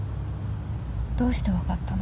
どうして分かったの？